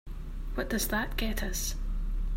What does that get us?